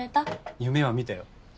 夢は見たよ。